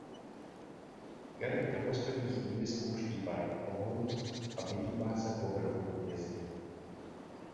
Kirk na poslední chvíli spouští warp pohon a vyhýbá se povrchu hvězdy.